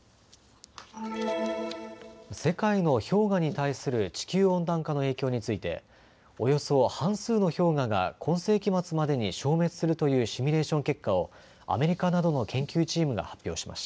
世界の氷河に対する地球温暖化の影響についておよそ半数の氷河が今世紀末までに消滅するというシミュレーション結果をアメリカなどの研究チームが発表しました。